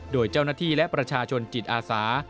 โดยเจ้าหน้าที่และประชาชนจิตอาสา